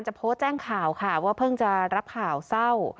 โพสต์แจ้งข่าวค่ะว่าเพิ่งจะรับข่าวเศร้า